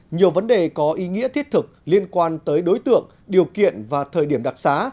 nhiều vấn đề có ý nghĩa thiết thực liên quan tới đối tượng điều kiện và thời điểm đặc xá